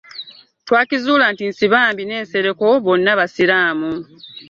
Twakizuula nti Nsibambi ne Nsereko bonna basiraamu